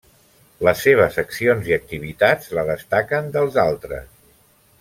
Les seves accions i activitats la destaquen dels altres.